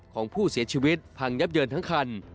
ของผู้เสียชีวิตพังยับเยินทั้งคัน